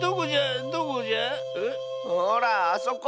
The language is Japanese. ほらあそこ。